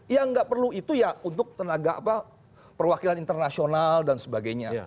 yang nggak perlu itu ya untuk tenaga apa perwakilan internasional dan sebagainya